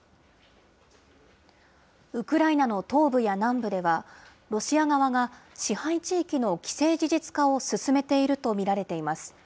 ウクライナの東部や南部では、ロシア側が支配地域の既成事実化を進めていると見られています。